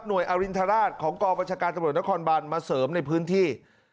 อรินทราชของกองบัญชาการตำรวจนครบันมาเสริมในพื้นที่